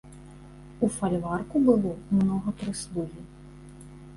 У фальварку было многа прыслугі.